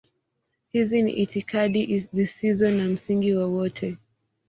Hizi ni itikadi zisizo na msingi wowote.